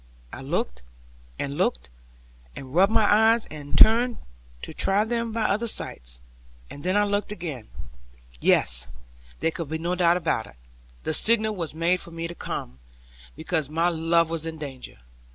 I looked, and looked, and rubbed my eyes, and turned to try them by other sights; and then I looked again; yes, there could be no doubt about it; the signal was made for me to come, because my love was in danger.